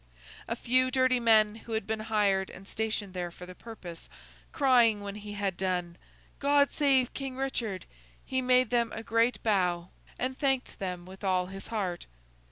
A few dirty men, who had been hired and stationed there for the purpose, crying when he had done, 'God save King Richard!' he made them a great bow, and thanked them with all his heart.